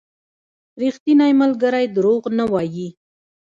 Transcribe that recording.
• ریښتینی ملګری دروغ نه وايي.